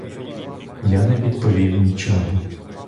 Я не відповів нічого.